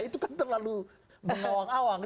itu kan terlalu mengawang awang